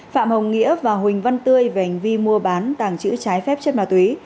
phạm hồng nghĩa và huỳnh văn tươi về hành vi mua bán tàng trữ trái phép chất ma túy